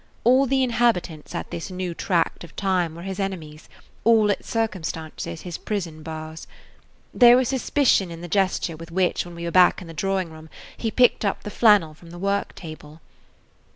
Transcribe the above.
All the inhabitants at this new tract of time were his enemies, all its circumstances his prison bars. There was suspicion in the gesture with which, when we were back in the drawing room he picked up the flannel from the work table.